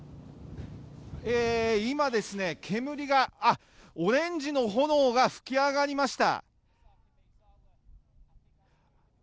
今、煙が、あっ、オレンジの炎が噴き上がりました。